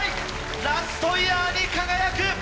ラストイヤーに輝く！